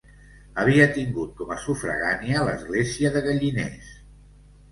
Havia tingut coma sufragània l'església de Galliners.